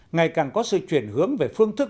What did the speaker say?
ngày càng có sự chuyển hướng về phương thức